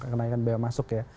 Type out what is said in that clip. kenaikan bea masuk ya